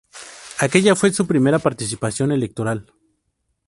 Aquella fue su primera participación electoral.